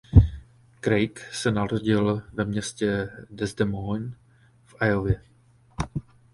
Craig se narodil ve městě Des Moines v Iowě.